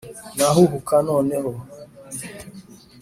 nahuhuka noneho